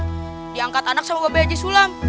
diangkat anak sama bapak haji sulam